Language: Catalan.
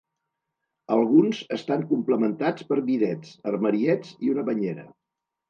Alguns estan complementats per bidets, armariets i una banyera.